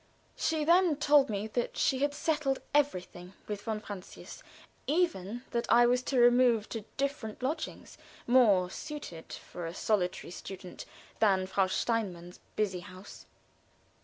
She then told me that she had settled everything with von Francius, even that I was to remove to different lodgings, more suited for a solitary student than Frau Steinmann's busy house.